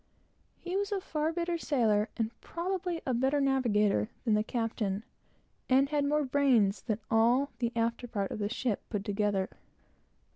He was a far better sailor, and probably a better navigator, than the captain, and had more brains than all the after part of the ship put together.